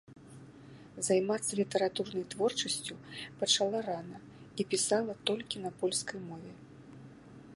Займацца літаратурнай творчасцю пачала рана і пісала толькі на польскай мове.